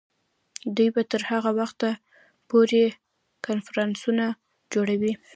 دوی به تر هغه وخته پورې کنفرانسونه جوړوي.